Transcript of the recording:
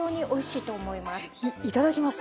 いただきます。